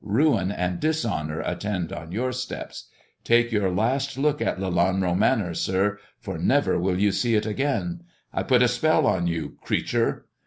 Buin and dishonour ttend on your steps. Take your last look at Lelanro lanor, sir, for never will you see it again. I put a spell a you, creature